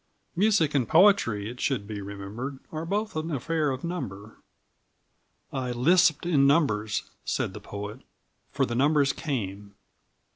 Music and poetry, it should be remembered, are both an affair of number. "I lisped in numbers," said the poet, "for the numbers came."